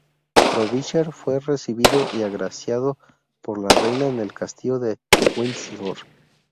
Frobisher fue recibido y agraciado por la reina en el Castillo de Windsor.